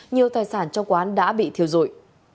nhiều thời sản trong quán đã bị thiêu rụi